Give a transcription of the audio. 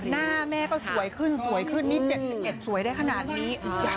หน้าแม่ก็สวยขึ้นสวยขึ้นนี่๗๑สวยได้ขนาดนี้